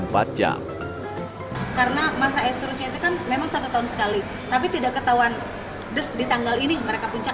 empat jam karena masa estrusnya itu kan memang satu tahun sekali tapi tidak ketahuan des di tanggal ini mereka puncak